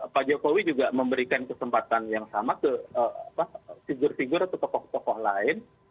pak jokowi juga memberikan kesempatan yang sama ke figur figur atau tokoh tokoh lain